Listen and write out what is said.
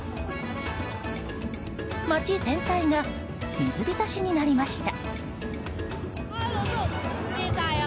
街全体が水浸しになりました。